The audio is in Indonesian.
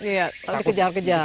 iya lagi kejar kejar